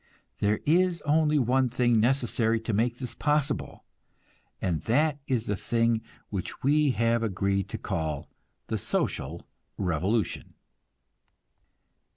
There is only one thing necessary to make this possible, and that is the thing which we have agreed to call the social revolution.